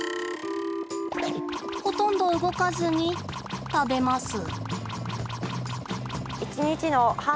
ほとんど動かずに、食べます。